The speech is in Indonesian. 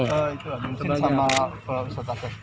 muxin sama faisal tasek